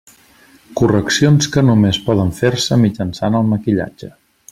Correccions que només poden fer-se mitjançant el maquillatge.